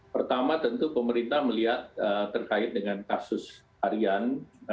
pertama tentu pemerintah melihat terkait dengan kasus harian